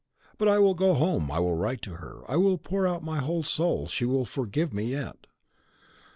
But I will go home, I will write to her. I will pour out my whole soul; she will forgive me yet."